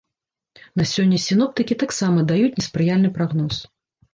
На сёння сіноптыкі таксама даюць неспрыяльны прагноз.